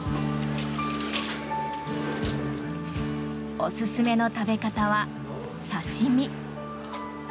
おすすめの食べ方は刺し身。